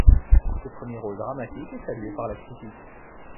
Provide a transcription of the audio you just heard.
Ce premier rôle dramatique est salué par la critique.